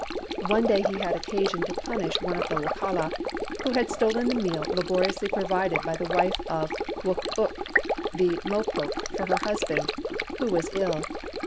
One day he had occasion to punish one of the Wokala, who had stolen the meal laboriously provided by the wife of Wook ook, the Mopoke, for her husband, who was ill.